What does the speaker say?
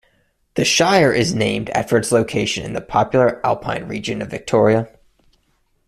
The Shire is named after its location in the popular alpine region of Victoria.